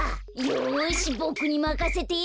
よしボクにまかせて。